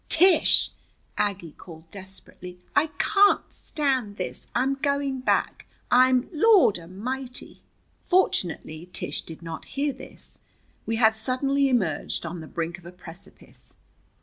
"Tish," Aggie called desperately, "I can't stand this. I'm going back! I'm Lordamighty!" Fortunately Tish did not hear this. We had suddenly emerged on the brink of a precipice.